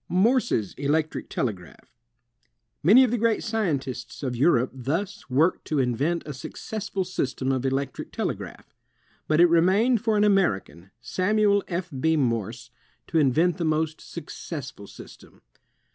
SAMUEL F. B. MORSE 213 Morse's Electric Telegraph Many of the great scientists of Europe thus worked to invent a successful system of electric telegraph. But it remained for an American, Samuel F. B. Morse, to invent the most successful system.